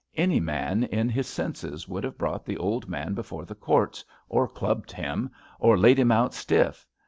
Any man in his senses would have brought the old man before the courts, or clubbed him, or laid him out stiff.